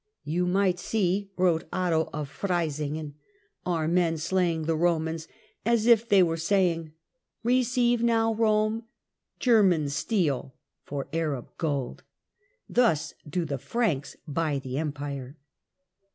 " Yon might see," wrote Otto of Freisingen, "our men slaying the Romans, as if they were saying: 'Receive now, Rome, German steel for Arab gold. ... Thus do the Franks buy the Empire.'"